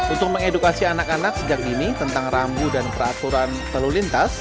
untuk mengedukasi anak anak sejak dini tentang rambu dan peraturan lalu lintas